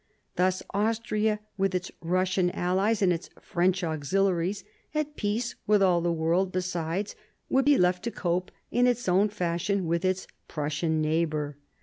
Thus Austria with its Eussian allies and its French auxiliaries, at peace with all the world besides, would be left to cope in its own fashion with its Prussian neighbour.